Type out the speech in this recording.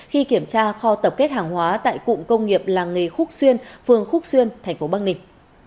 khi kiểm tra kho tập kết hàng hóa tại cụng công nghiệp làng nghề khúc xuyên phường khúc xuyên tp băng ninh